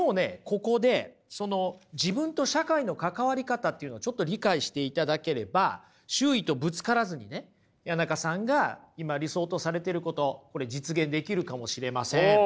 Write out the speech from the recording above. ここでその自分と社会の関わり方っていうのをちょっと理解していただければ周囲とぶつからずにね谷中さんが今理想とされていることこれ実現できるかもしれません。